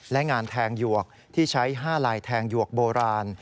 และงานแทงหยวกที่ใช้๕ลายแทงหยวกโบราณ